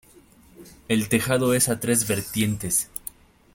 El tejado es a tres vertientes.